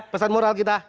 pesan moral kita